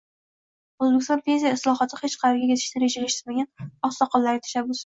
O'zbekiston pensiya islohoti hech qaerga ketishni rejalashtirmagan oqsoqollarning tashabbusi?